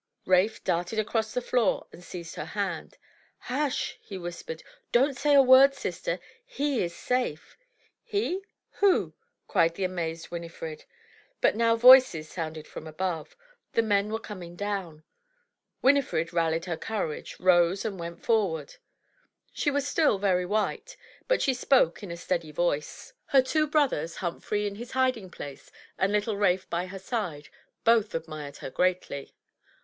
Rafe darted across the floor and seized her hand. "Hush," he whispered. "Don't say a word, sister. He is safe." "He? Who?" cried the amazed Winifred. But now voices sounded from above. The men were coming down. Winifred rallied her courage, rose, and went forward. She was still very white, but she spoke in a steady voice. 324 THE TREASURE CHEST Her two brothers, Humphrey in his hiding place and little Rafe by her side, both admired her greatly.